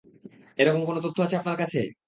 এরকম কোনো তথ্য আছে, আপনার কাছে?